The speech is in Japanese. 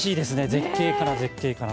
絶景かな絶景かな。